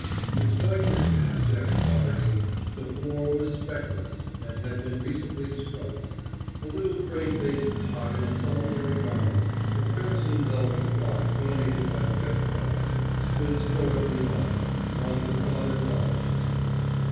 Despite this abject poverty, the floor was speckless and had been recently scrubbed. A little gray faced tot in a solitary garment—a crimson velvet frock donated by the Red Cross—stood stoically by, while her father talked to me.